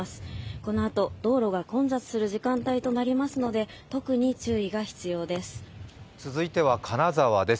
このあと、道路が混雑する時間帯となりますので、続いては金沢です。